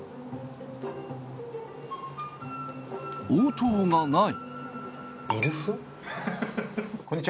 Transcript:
応答がない。